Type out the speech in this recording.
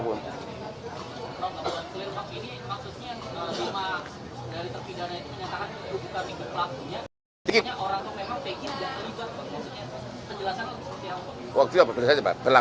kalau nggak boleh selain waktu ini maksudnya lima dari terpidana yang dinyatakan itu bukan pg pelakunya